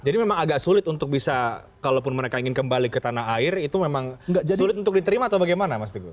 jadi memang agak sulit untuk bisa kalaupun mereka ingin kembali ke tanah air itu memang sulit untuk diterima atau bagaimana mas teguh